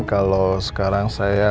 kalau sekarang saya